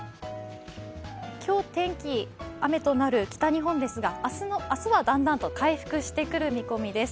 今日、天気、雨となる北日本ですが明日はだんだんと回復してくる見込みです。